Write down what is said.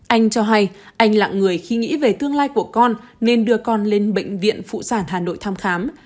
anh cho hay anh lạng người khi nghĩ về tương lai của con nên đưa con lên bệnh viện phụ sản hà nội thăm khám